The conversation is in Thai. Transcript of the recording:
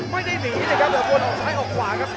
ไม่ได้หนีเลยครับแต่บวนออกซ้ายออกขวาครับ